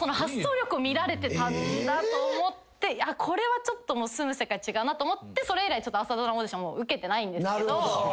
これはちょっと住む世界違うなと思ってそれ以来朝ドラのオーディションを受けてないんですけど。